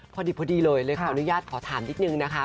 พอดีเลยเลยขออนุญาตขอถามนิดนึงนะคะ